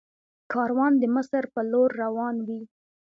کاروان د مصر په لور روان وي.